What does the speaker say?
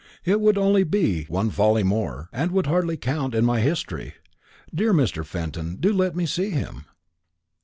It would only be one folly more, and would hardly count in my history. Dear Mr. Fenton, do let me see him."